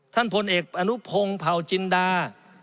พลเอกอนุพงศ์เผาจินดา